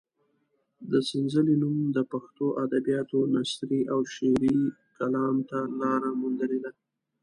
د سنځلې نوم د پښتو ادبیاتو نثري او شعري کلام ته لاره موندلې ده.